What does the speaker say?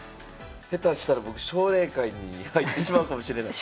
下手したら僕奨励会に入ってしまうかもしれない。